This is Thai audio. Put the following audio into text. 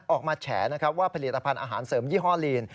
ออกมาแฉว่าผลิตภัณฑ์อาหารเสริมยี่ห้อลีน